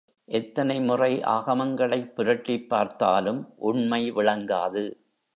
எத்தனை முறை ஆகமங்களைப் புரட்டிப் பார்த்தாலும் உண்மை விளங்காது.